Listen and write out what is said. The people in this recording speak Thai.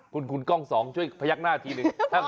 คุณกล้องสองช่วยพยักหน้าทีหนึ่ง